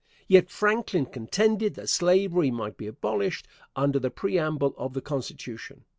Yet Franklin contended that slavery might be abolished under the preamble of the Constitution.